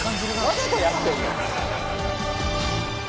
「わざとやってるの？」